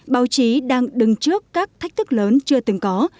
báo chí đang đứng trước các thách thức lớn chưa từng có